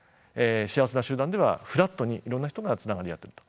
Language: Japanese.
幸せな集団ではフラットにいろんな人がつながり合っていると。